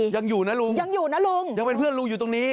ยังอยู่นะลุงยังเป็นเพื่อนลุงอยู่ตรงนี้